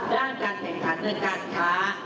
ด้านการแข่งขันเหมือนกันค่ะ